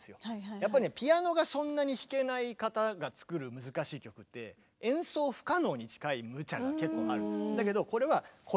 やっぱりねピアノがそんなに弾けない方が作る難しい曲って演奏不可能に近いむちゃが結構ある。